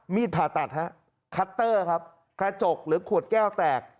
ผ่าตัดฮะคัตเตอร์ครับกระจกหรือขวดแก้วแตก